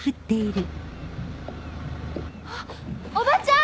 ・あっおばちゃん！